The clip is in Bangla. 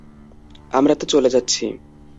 আমরা তো চলে যাচ্ছি।